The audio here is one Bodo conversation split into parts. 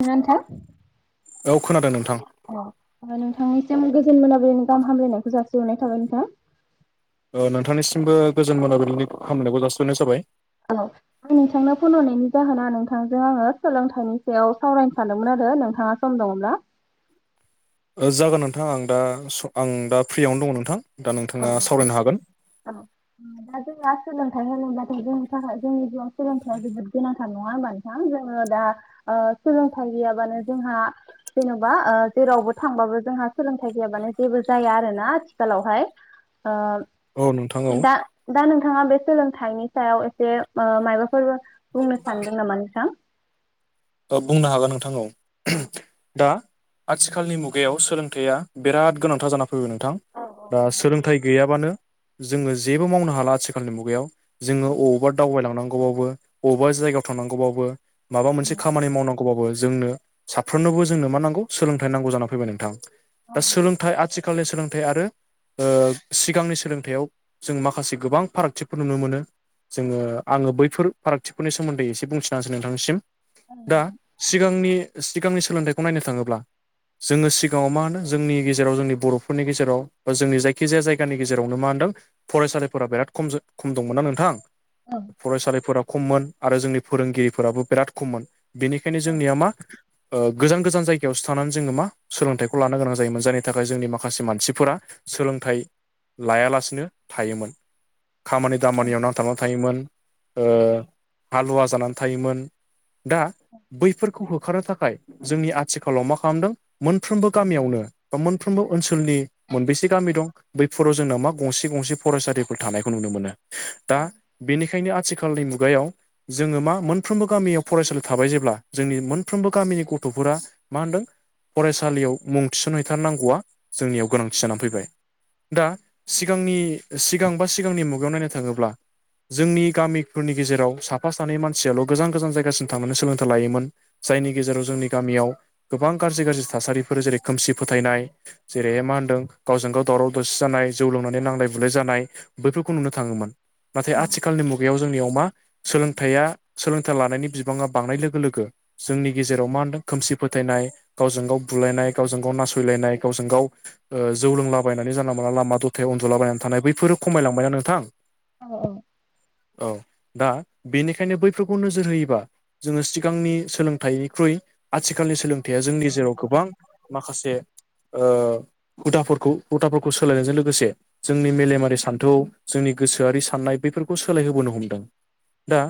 दोंना नोंथां? औ खोनादों नोंथां औ नोंथांनिसिम गोजोन मोनाबिलिनि गाहाम हामलायनायखौ जासिहरनाय थाबाय नोंथां। ओ नोंथांनिसिमबो गोजोन मोनाबिलिनि खामानिनायखौ जासिहरनाय जाबाय। औ आं नोंथांनो फन हरनायनि जाहोना नोंथांजों आङो सोलोंथाइनि सायाव सावरायनो सानदोंमोन आरो नोंथाङा सम दङब्ला ओ जागोन नोंथां आं दा आं दा फ्रियावनो दङ नोंथां दा नोंथाङा सावरायनो हागोन। औ दा जोंहा सोलोंथाइ होनोबाथाय जोंनि थाखाय जोंनि जिउआव सोलोंथाया जोबोद गोनां। नङा होनोमबा नोंथां जोङो दा सोलोंथाइ गैयाबानो जोंहा जेन'बा ओ जेरावबो थांबाबो जोंहा सोलोंथाइ गैयाबानो जेबो जाया आरोना आथिखालावहाय ओ औ नोंथां औ दा दा नोंथाङा बे सोलोंथाइनि सायाव एसे मायाबाफोर बुंनो सानदों नामा नोंथां। औ बुंनो हागोन नोंथां औ दा आथिखालनि मुगायाव सोलोंथाइया बरराद गोनांथार जाना फैबाय नोंथां दा सोलोंथाइ गैयाबानो जोङो जेबो मावनो हाला आथिखालनि मुगायाव जोङो औ अबावबा दावबाय लांनांगौब्लाबो जोङो थांगौ माबा मोनसे खामानि मावनांगौबाबो जोंनो साफ्रोमनोबो जोंनो मा नांगौ सोलोंथाइ नांगौ जानानानै फैबाय नोंथां औ दा सोलोंथाइ आथिखालनि सोलोंथाइ आरो ओ सिगांनि सोलोंथाइयाव जों माखासे गोबां फारागथिफोर नुनो मोनो। जोङो आङो बैफोर फारागथिफोरनि सोमोन्दै एसे बुंथिना होनोसै नोंथांनिसिम। दा सिगांनि सिगांनि सोलोंथाइखौ नायनो थाङोब्ला जोङो सिगाङाव मा होनदों जोंनि गेजेराव जोंनि बर'फोरनि गेजेराव बा जोंनि जायखिजाया जायगानि गेजेरावनो मा होनदों फरायसालिफोरा बेराद खम खम दंमोनना नोंथां औ फरायसालिफोरा खममोन आरो जोंनि फोरोंगिरिफोराबो बेराद खममोन बेनिखायनो जोंनिया मा ओ गोजान गोजान जायगायावसो थानानै जोङो मा सोलोंथाइखौ लानो गोनां जायोमोन जायनि थाखाय जोंनि माखासे मानसिफोरा सोलोंथाइ लायालासिनो थायोमोन। खामानि औ दामानियाव नांथाबनानै थायोमोन ओ हालुवा जानानै थायोमोन। दा बैफोरखौ होखारनो थाखाय जोंनि आथिखालाव मा खालामदों मोनफ्रोमबो गामियावनो बा मोनफ्रोमबो ओनसोलनि मोनबेसे गामि दं बैफोराव जोंनाव मा गंसे गंसे फरायसालिफोर थानायखौ नुनो मोनो दा औ बेनिखायनो आथिखालनि मुगायाव जोङो मा मोनफ्रोमबो गामियाव फरायसालि थाबाय जेब्ला जोंनि मोनफ्रोमबो गामिनि गथ'फोरा मा होनदों फरायसालियाव मुं थिसनहैथारनांगौआ जोंनियाव गोनांथि जानानै फैबाय। दा सिगांनि सिगां बा सिगांनि मुगायाव नायनो थाङोब्ला जोंनि गामिफोरनि गेजेराव साफा सानै मानसियाल' गोजान-गोजान जायगासिम थांनानै सोलोंथाइ लायोमोन जायनि गेजेराव जोंनि गामियाव गोबां गाज्रि-गाज्रि थासारिफोर जेरै खोमसि फोथायनाय जेरैहाय मा होनदों गावजों गाव दावराव दावसि जानाय जौ लोंनानै नांलाय बुलाय जानाय बैफोरखौ नुनो थाङोमोन। नाथाय आथिखालनि मुगायाव जोंनियाव मा सोलोंथाइया सोलोंथाइ लानायनि बिबाङा बांनाय लोगो-लोगो जोंनि गेजेराव मा होनदों खोमसि फोथायनाय गावजों गाव बुलायनाय गावजों गाव नासयलायनाय गावजों गाव ओ जौ लोंलाबायनानै जानला मोनला लामा दथायाव उनदुलाबायनानै थानाय बैफोरो खमायलांबायना नोंथां। औ-औ। औ दा बेनिखायनो बैफोरखौ नोजोर होयोबा जोङो सिगांनि सोलोंथाइनिख्रुइ आथिखालनि सोलोंथाइया जोंनि जेराव गोबां माखासे ओ हुदाफोरखौ-हुदाफोरखौ सोलायनायजों लोगोसे जोंनि मेलेमारि सान्थौ जोंनि गोसोआरि साननाय बेफोरखौ सोलायहोबोनो हमदों। दा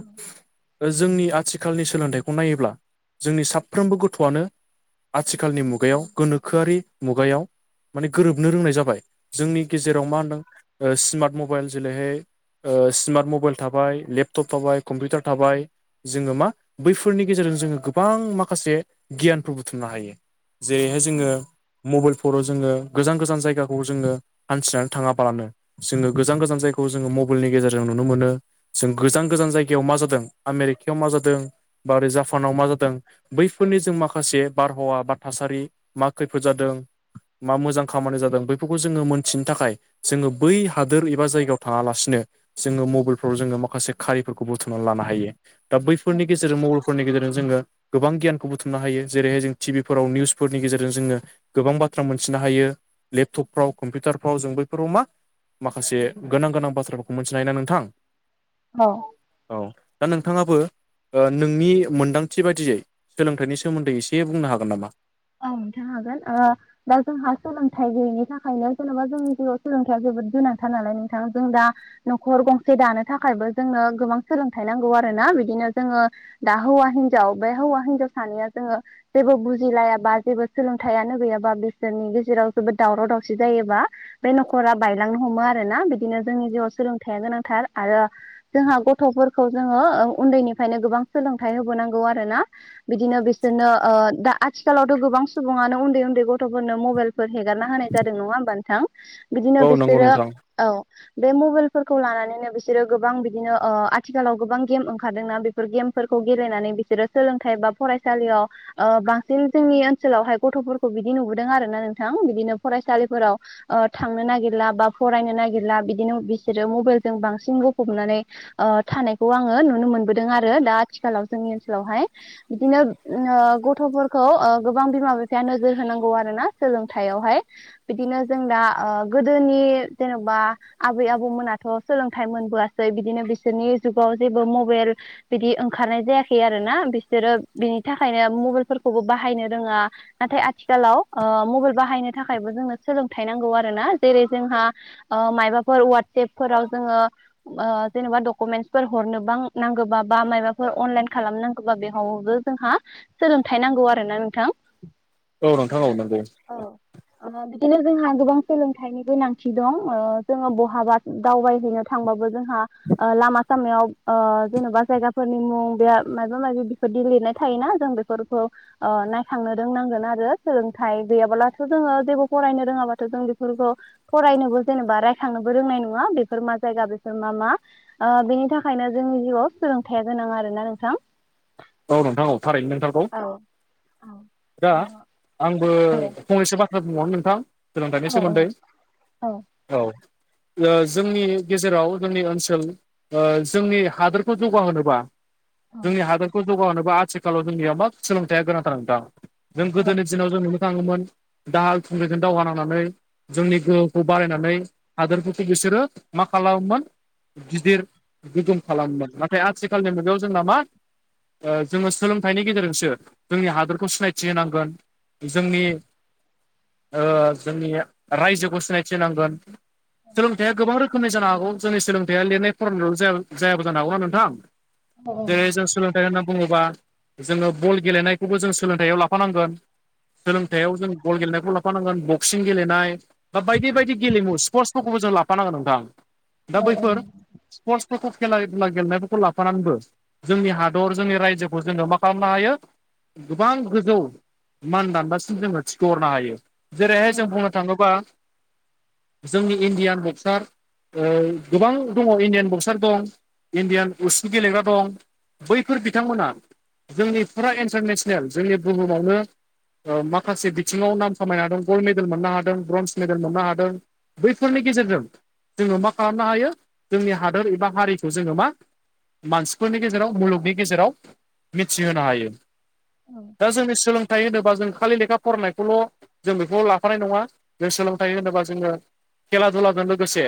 जोंनि आथिखालनि सोलोंथाइखौ नायोब्ला जोंनि साफ्रोमबो गथ'आनो आथिखालनि मुगायाव गोनोखोआरि मुगायाव माने गोरोबनो रोंनाय जाबाय। जोंनि गेजेराव मा होनदों ओ स्मार्ट मबाइल जेलेहै ओ स्मार्ट मबाइल थाबाय लेपटप थाबाय कम्पिउटार थाबाय जोङो मा बैफोरनि गेजेरजों जोङो गोबां माखासे गियानफोर बुथुमनो हायो। जेहै जोङो मबाइलफोराव जोङो गोजान-गोजान जायगाखौ जोङो हान्थिनानै थाङाबालानो जोङो गोजान-गोजान जायगायाव जोङो मबाइलनि गेजेरजों नुनो मोनो। जों गोजान-गोजान जायगायाव मा जाद दों आमेरिकायाव मा जादों बा ओरै जापानाव मा जादों बैफोरनि जों माखासे बारहावा बा थासारि मा खैफोद जादों मा मोजां खामानि जादों बैफोरखौ जोङो मोनथिनो थाखाय जोङो बै हादोर एबा जायगायाव थाङालासिनो जोङो मबाइलफ्राव जोङो माखासे खारिफोरखौ बुथुम ना लानो हायो। दा औ बैफोरनि गेजेरजों मबाइलफोरनि गेजेरजों जोङो गोबां गियानखौ बुथुमनो हायो। जेरैहाय जों टि भिफोराव निउसफोरनि गेजेरजों जोङो गोबां बाथ्रा मोनथिनो हायो। लेपटपफ्राव कम्पिउटारफ्राव जों बैफोराव मा माखासे गोनां-गोनां बाथ्राफोरखौ मोनथिनो हायो ना नोंथां। औ। औ दा नोंथाङाबो ओ नोंनि मोन्दांथि बादियै सोलोंथाइनि सोमोन्दै एसे बुंनो हागोन नामा। औ नोंथां हागोन। ओ दा जोंहा सोलोंथाइ गैयिनि थाखायनो जेन'बा जोंनि जिउआव सोलोंथाइया जोबोद गोनांथार नालाय नोंथां जों दा न'खर गंसे दानो थाखायबो जोंनो गोबां सोलोंथाइ नांगौ आरो ना। बिदिनो जोङो दा हौवा हिनजाव बे हौवा हिनजाव सानैया जोङो जेबो बुजिलायाबा जेबो सोलोंथाइयानो गैयाबा बिसोरनि गेजेराव जेबो दावराव दावसि जायोबा बे न'खरा बायलांनो हमो आरोना बिदिनो जोंनि जिउआव सोलोंथायाइया गोनांथार आरो जोंहा गथ'फोरखौ जोङो ओ उन्दैनिफ्रायनो गोबां सोलोंथाइ होबोनांगौ आरो ना। बिदिनो बिसोरनो ओ दा आथिखालाव गोबां सुबुङानो उन्दै उन्दै गथ'फोरनो मबाइलफोर हेगारना होनाय जादों नङा होमबा नोंथां? बिदिनो औ नंगौ बिसोरो नोंथां औ। बे मबाइलफोरखौ लानानैनो बिसोरो गोबां बिदिनो ओ आथिखालाव गोबां गेम ओंखारदोंना बे बे गेमफोरखौ गेलेनानै बिसोरो सोलोंथाइ बा फरायसालियाव ओ बांसिन जोंनि ओनसोलावहाय गथ'फोरखौ बिदि नुबोदों आरोना नोंथां, बिदिनो फरायसालिफोराव ओ थांनो नागिरला बा फरायनो नागिरला बिदिनो बिसोरो मबाइलजों बांसिन बुंफबनानै ओ थानायखौ आङो नुनो मोनबोदों आरो दा आथिखालाव जोंनि ओनसोलावहाय। बिदिनो ओ गथ'फोर खौ ओ गोबां बिमा बिफाया नोजोर होनांगौ आरोना सोलोंथाइयावहाय। बिदिनो जों दा ओ गोदोनि जेनबा आबै आबौमोनाथ' सोलोंथाइ मोनबोआसै बिदिनो बिसोरनि जुगाव जेबो मबाइल बिदि ओंखारनाय जायाखै आरो ना, बिसोरो बिनि थाखायनो मबाइलफोरखौबो बाहायनो रोङा। नाथाय आथिखालाव ओ मबाइल बाहायनो थाखायबो जोंनो सोलोंथाइ नांगौ आरो ना जेरै जोंहा ओ मायबाफोर अवाटसेपफोराव जोङो ओ जेनेबा डकुमेन्टसफोर हरनोबां नांगौबा बा माबाफोर अनलाइन खालामनां बा बेहावबो जोंहा सोलोंथाइ नांगौ आरो ना नोंथां। औ नोंथां औ नंगौ। औ। ओ बिदिनो जोंहा गोबां सोलोंथाइनि गोनांथि दं ओ जोङो बहाबा दावबायहैनो थांबाबो जोंहा ओ लामा सामायाव ओ जेन'बा जायगाफोरनि मुं बे माबा माबि बेफोरदि लिरनाय थायोना जों बे फोरखौ ओ नायखांनो रोंनांगोन आरो सोलोंथाइ गैयाब्लाथ' जोङो जेबो फरायनो रोङाबाथ' जों बेफोरखौ फरायनोबो जेनेबा रायखांनोबो रोंनाय नङा बेफोर मा जायगा बेफोर मा मा ओ बेनि थाखायनो जोंनि जिउआव सोलोंथाइया गोनां आरो ना नोंथां। औ नोंथां औ थारैनो नोंथारगौ। औ औ दा आंबो औ फंनैसो बाथ्रा बुंबावनो नोंथां सोलोंथाइनि औ सोमोन्दै औ औ। ओ जोंनि गेजेराव जोंनि ओनसोल ओ जोंनि हादोरखौ जौगाहोनोबा जोंनि हादोरखौ जौगाहोनोबा आथिखालाव जोंनिया मा सोलोंथाइया गोनांथार नोंथां। जों गोदोनि दिनाव जों नुनो थाङोमोन दाहाल थुंग्रिजों दावहा नांनानै जोंनि गोहोखौ बारायनानै हादोरफोरखौ बिसोरो मा खालामोमोन गिदिर गोगोम खालामोमोन। नाथाय आथिखालनि मुगायाव जोंना मा ओ जोङो सोलोंथाइनि गेजेरजोंसो जोंनि हादोरखौ सिनायथि होनांगोन। जोंनि ओ जोंनि रायजोखौ सिनायथि होनांगोन। सोलोंथाइया गोबां रोखोमनि जानो हागौ जोंनि सोलोंथाइया लिरनाय फरायनाय' जा-जायाबो जानो हागौ ना नोंथां। जे जों सो लोंथाइ होन्ना बुङोबा जोङो बल गेलेनायखौबो जों सोलोंथाइयाव लाफानांगोन। सोलोंथाइयाव जों बल गेलेनायखौ लाफानांगोन बक्सिं गेलेनाय बा बायदि बायदि गेलेमु स्पर्टस जों लाफानांगोन नोंथां। दा औ बैफोर स्पर्टसफोरखौ खेला दुला गेलेनायफोरखौ लाफानानैबो जोंनि हा दर जोंनि रायजोखौ जोङो मा खालामनो हायो गोबां गोजौ मान दानदासिम जोङो थिखोहरनो हायो। जेरैहाय जों बुंनो थाङोबा जोंनि इण्डियान बक्सार ओ गोबां दङ इण्डियान बक्सार दं, इण्डियान उसु गेलेग्रा दं। बैफोर बिथांमोना जोंनि फुरा इन्टारनेसनेल जोंनि बुहुमावनो ओ माखासे बिथिङाव नाम खामायनो हादों, गल्ड मेडेल मोननो हादों, ब्रन्ज मेडेल मोननो हादों। बैफोरनि गेजेरजों जोङो मा खालामनो हायो जोंनि हादोर एबा हारिखौ जोङो मा मानसिफोरनि गेजेराव मुलुगनि गेजेराव मिथिहोनो हायो। औ। दा जोंनि सोलोंथाइ होनोबा जों खालि लेखा फरायनायखौल' जों बेखौ लाफानाय नङा जों सोलोंथाइ होनोबा जोङो खेला दुलादो लोगोसे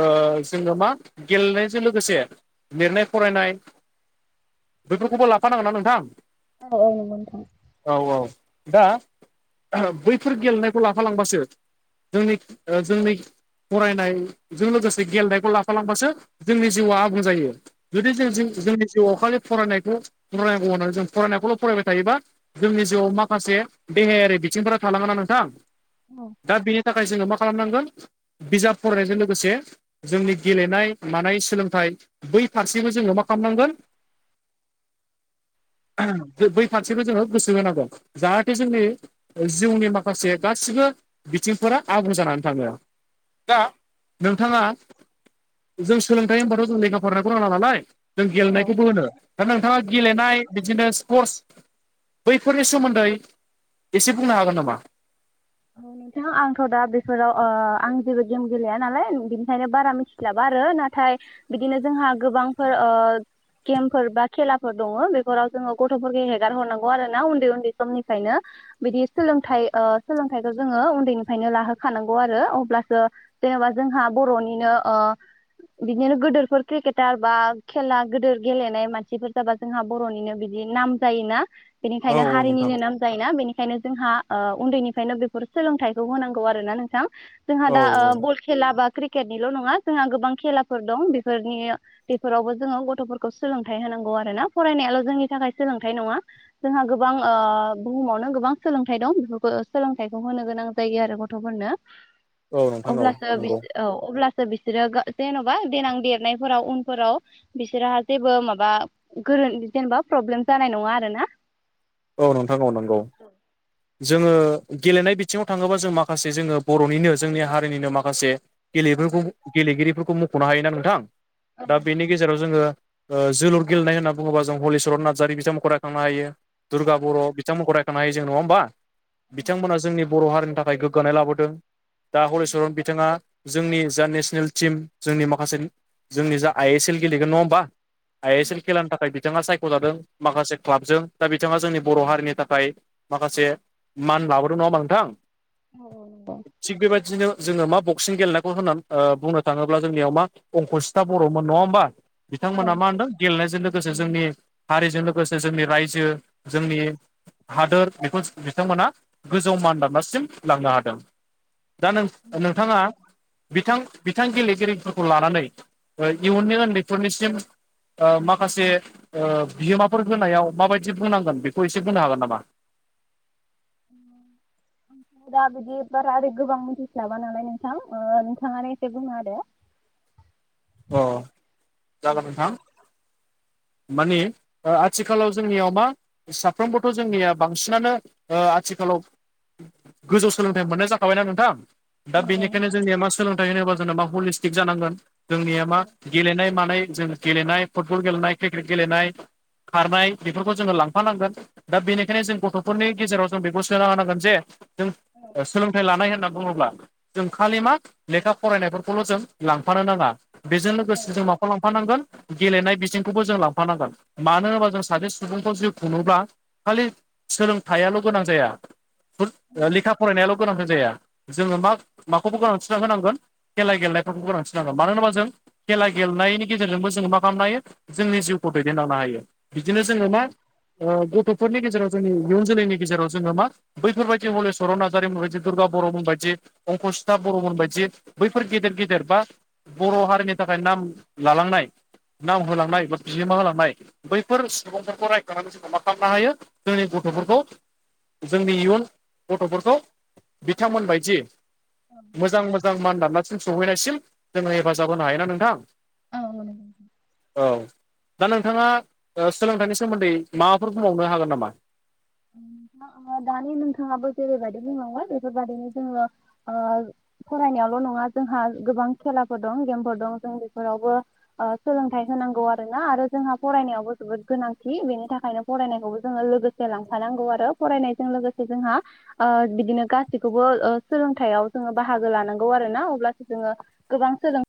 ओ जोङो मा गेलेनायजों लोगोसे लिरनाय फरायनाय बेफोरखौबो लाफानांगोन ना नोंथां? औ औ नोंगौ नोंथां औ औ दा बैफोर गेलेनायखौ लाफालांबासो जोंनि ओ जोंनि फरायनायजों लोगोसे गेलेनायखौ लाफालांबासो जोंनि जिउआ आबुं जायो जुदि जों औ जोंनि जिवाव खालि फरायनायखौ फरायनांगौ होननानै जों फरायनायखौल फरायबाय थायोबा जोंनि जिउआव माखासे देहायारि बिथिंफोरा थालाङोना नोंथां औ दा बेनि थाखाय जोङो मा खालामनांगोन बिजाब फरायनायजों लोगोसे जोंनि गेलेनाय मानाय सोलोंथाइ बै फारसेबो जोङो मा खालामनांगोन [inaudible] बै फारसेखो जोङो गोसो होनांगोन जाहाथे जोंनि ओ जिउनि माखासे गासिबो बिथिंफोरा आबुं जानानै थाङो दा नोंथाङा जों सोलोंथाइ होनबाथ जों लेखा फराय रोङा नालाय जों औ गेलेनायखौबो होनो दा नोंथाङा औ गेलेनाय बिदिनो स्पर्टस बैफोरनि सोमोन्दै एसे बुंनो हागोन नामा औ नोंथां आंथ दा बेफोराव ओ आं जेबो गेम गेलेया नालाय बिनिखायनो बारा मिथि स्लाबा आरो नाथाय बिदिनो जोंहा गोबांफोर ओ गेमफोर बा खेलाफोर दङ बेफोराव जोङो गथफोरखो हेगार हरनांगौ आरो ना उन्दै उन्दै समनिफायनो बिदि सोलोंथाइ ओ सोलोंथाइखौ जोङो उन्दैनिफायनो लाहोखानांगौ आरो अब्लासो जेनेबा जोंहा बरनिनो‌ ओ बिदिनो गोदोरफोर क्रिकेटार बा खेला गोदोर गेलेनाय मानसिफोर जेनबा जोंहा बरनिनो बिदि नाम जायोना औ बेनिखायनो औ नोंथां हारिनिनो नाम जायोना बेनिखायनो जोंहा ओ उन्दैनि खायनो बेफोर सोलोंथाइखौ होनांगौ आरो ना नोंथां जोंहा औ दा ओ खेला बा क्रिकेटनिल नङा जोंहा गोबां खेलाफोर दं बेफोरनि बेफोरावबो जोङो गथफोरखौ सोलोंथाइ होनांगौ आरो ना फरायनायाल जोंनि थाखाय सोलोंथाइ नङा जोंहा गोबां ओ बुहुमावनो गोबां सोलोंथाइ दं बेफोरखौ सोलोंथाइखौ होनो गोनां जायो आरो गथफोरनो औ नोंथां औ अब्लासो नंगौ बिसो औ अब्लासो बिसोरो गा जेनबा देनां देरनायफोराव उनफोराव बिसोरहा जेबो माबा गोरोन जेनेबा प्रब्लेम जानाय नङा आरो ना औ नोंथां औ नंगौ जोङो गेलेनाय बिथिङाव थाङोबा जों माखासे जोङो बरनिनो जोंनि हारिनिनो माखासे गेलेफोरखौ गेलेगिरिफोरखौ मखनो हायोना नोंथां दा बेनि गेजेराव जोङो ओ जोलुर गेलेनाय होननानै बुङोबा जों हलिचरन नार्जारि बिथांमोनखौ रायखांनो हायो दुर्गा बर बिथांमोनखौ रायखांनो हायो जों नङा होमबा बिथांमोना जोंनि बर हारिनि थाखाय गोग्गानाय लाबोदों दा हलिचरन बिथाङा जोंनि जा नेसनेल टिम जोंनि माखासे जोंनि जा आइ एस एल गेलेगोन नङा होमबा आइ एस एल खेलानि थाखाय बिथाङा सायखजादों माखासे क्लाबजों दा बिथाङा जोंनि बर हारिनि थाखाय माखासे मान लाबोदों नङा होमबा नोंथां औ औ‌ नंगौ थिग बेबायदिनो जोङो मा बक्सिं गेलेनायखौ होननानै ओ बुंनो थाङोब्ला जोंनियाव मा अंकसिथा बरमोन नङा होमबा नंगौ बिथांमोना मा होनदों गेलेनायजों लोगोसे जोंनि हारिजों लोगोसे जोंनि रायजो जोंनि हादोर बेखौ बिथांमोना गोजौ मान दाबनासिम लांनो हादों। दा नों नोंथाङा। बिथां बिथां गेलेगिरिफोरखौ लानानै इयुननि उन्दैफोरनिसिम। माखासे बिहोमाफोर होनायाव माबायदि बुंनांगोन बेखौ एसे बुंो हागोन नामा। उ [inaudible] दा बिदि बारा रै गोबां मिथिस्लाबा नालाय नोंथां नोंथाङानो एसे बुङो आरो। [inaudible] [inaudible] अ औ जागोन नोंथां। माने आथिखालाव जोंनियाव मा। साफ्रोमबोथ' जोंनिया बांसिनानो आथिखालाव। गोजौ सोलोंथाइ मोननाय जाखाबायना नोंथां। दा औ औ बेनिखायनो जोंनिया मा सोलोंथाइ होनोबा जोंना मा हलिस्टिक जानांगोन जोंनिया मा। गेलेनाय मानाय जों गेलेनाय फुटबल गेलेनाय क्रिकेट गेलेनाय। खारनाय बेफोरखौ जोङो लांफानांगोन। दा बेनिखायनो जों गथ'फोरनि गेजेराव जों बेखौ सोना होनांगोन जे। जों सोलोंथाइ लानाय होनना बुङ्ला। जों खालि मा लेखा फरायनायफोरखौल' जों लांफानो नाङा बेजों औ लोगोसे जों माा। लांफानांगोन गेलेनाय बिजोंंखौ। खौबो जों लांफानांगोन मानो होनोबा जों सासे सुबुंखौ जु खुङोब्ला। खालि सोलोंथाइल' गोनां जाया लेखा फरायनायाल' गोनांथार जाया। जोङो मा माखौबो गोनांथिना होनांगोन। खेला गेलेनायफोरखौ गोनांसिनांगोन मानो होनबा जों खेला गेलेनायनि गेजेरजोंबो जोङो मा खालामनो हायो। जोंनि जिउखौ दैदेनलांनो हायो बिदिनो औ जोङो औ मा। गथ'फोरनि गेजेराव जोंनि इयुन जोलैनि गेजेराव जोङो मा। बैफोरबायदि हलेस्वरन नार्जारिमोन बायदि दुर्गा बर'मोन बायदि अंकस्थाब बर'मोन बदि। बैफोर गेदेर गेदेर बा बर' हारिनि थाखाय नाम लालांनाय नाम होलांनाय। नाय बा बि मा लांनाय। बैफोर सुबुंफोरखौ रायखांनानै जो मा खालामनो हायो जोंनि गथ'फोरखौ। जोंनि इयुन गथ'फोरखौ बिथांमोन बदि। मोजां मोजां मान दान्लासिम सौहैनायसिम जोङो हेफाजाब होनो हायोना नोंथां। औ। औ दा नोंथाङा सोलोंथाइनि सोमोन्दै माबाफोर बुंबावनो हागोन नामा। ोंथ दानि नोंथाङाबो जेरैबायदि बुंनावबाय बेफोरबदिनो जोङो। फरायनायावल' नङा जोंहा गोबां खेलाफोर दं गेमफोर दं जों बेफोरावबो। सोलोंथाइ होनांगौ आरो ना आरो जोंहा फरायनायावबो जोबोद गोनांथि बेनि थाखायनो। फरायनायखौबो जोङो लोगोसे लांफानांगौ आरो फरायनायजों लोगोसे जोंहा। बिदिनो गासैखौबो सोलोंथायाइयाव जोङो बाहागो लानांगौ आरो ना अब्लासो जोङो। गोबां सोलों।